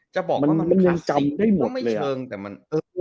จะบอกว่ามันไม่เชิงแต่มัน